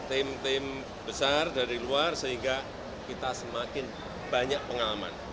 tim tim besar dari luar sehingga kita semakin banyak pengalaman